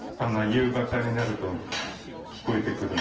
夕方になると三線聞こえてくる。